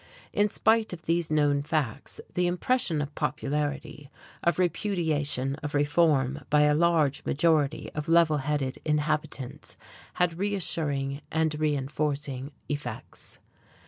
In spite of these known facts, the impression of popularity, of repudiation of reform by a large majority of level headed inhabitants had reassuring and reenforcing effects.